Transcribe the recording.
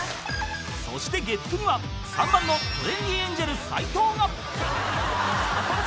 ［そして月９には３番のトレンディエンジェル斎藤が］